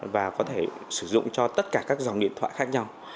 và có thể sử dụng cho tất cả các dòng điện thoại khác nhau